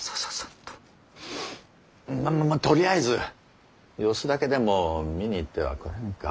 まっまっまっとりあえず様子だけでも見に行ってはくれんか。